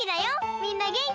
みんなげんき？